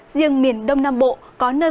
riêng miền đông nam bộ có nơi